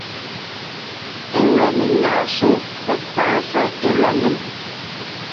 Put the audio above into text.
I wii na i naasuu kpakpaa sa i la nim.